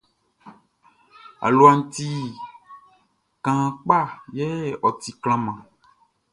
Aluaʼn ti kaan kpa yɛ ɔ ti klanman.